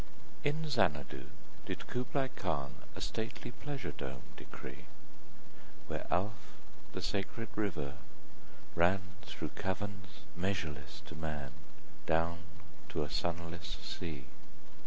1772–1834 550. Kubla Khan IN Xanadu did Kubla Khan A stately pleasure dome decree: Where Alph, the sacred river, ran Through caverns measureless to man Down to a sunless sea.